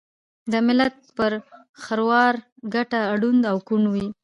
دملت پر خروار ګټه ړوند او کوڼ وي